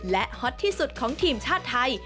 และฮอตที่สุดของทีมชาติไทย